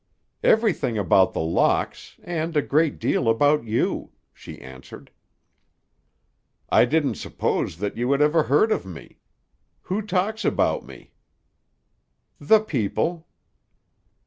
"Everything about The Locks, and a great deal about you," she answered. "I didn't suppose that you had ever heard of me. Who talks about me?" "The people."